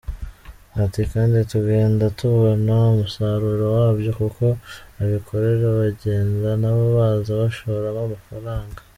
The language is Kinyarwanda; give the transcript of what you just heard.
Ati “Kandi tugenda tubona umusaruro wabyo kuko abikorera bagenda na bo baza bashoramo amafaranga.